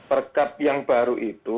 perkap yang baru itu